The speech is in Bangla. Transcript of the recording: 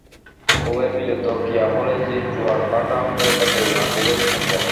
উভয়ের মিলিত ক্রিয়াফলেই যে জোয়ার-ভাঁটা হইয়া থাকে, ইহা খুবই সম্ভব।